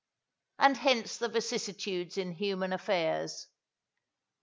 And hence the vicissitudes in human affairs.